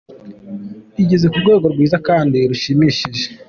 Igeze ku rwego rwiza kandi rushimishije.